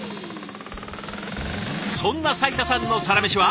そんな斉田さんのサラメシは。